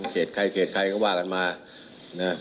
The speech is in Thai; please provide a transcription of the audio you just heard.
เกรตใครขายวกับว่ากันมาอะ